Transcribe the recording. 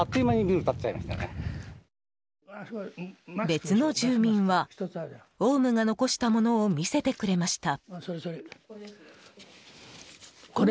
別の住民はオウムが残したものを見せてくれました。